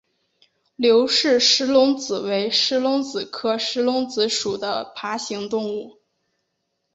刘氏石龙子为石龙子科石龙子属的爬行动物。